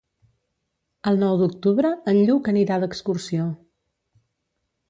El nou d'octubre en Lluc anirà d'excursió.